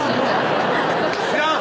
知らん！